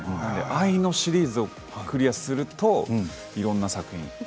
愛のシリーズをクリアするといろいろな作品。